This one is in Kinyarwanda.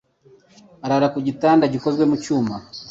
Arara ku igitanda gikozwe mu cyuma